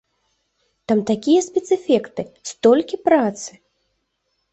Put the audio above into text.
Там такія спецэфекты, столькі працы!